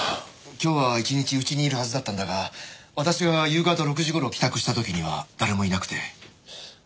今日は一日家にいるはずだったんだが私が夕方６時頃帰宅した時には誰もいなくて。